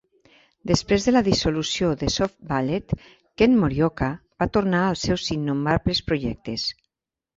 Després de la dissolució de Soft Ballet, Ken Morioka va tornar als seus innombrables projectes.